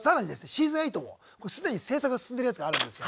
シーズン８も既に制作が進んでるやつがあるんです。